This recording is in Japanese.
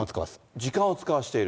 時間を使わせている。